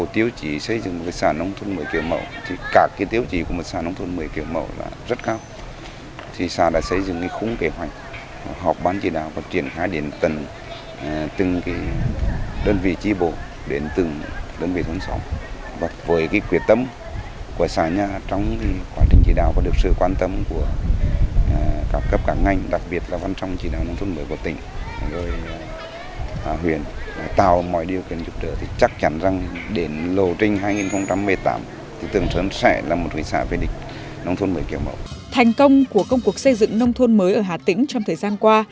thành công của công cuộc xây dựng nông thôn mới ở hà tĩnh trong thời gian qua